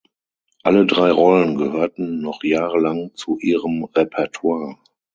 Alle drei Rollen gehörten noch jahrelang zu ihrem Repertoire.